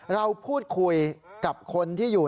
เราพูดคุยกับคนที่อยู่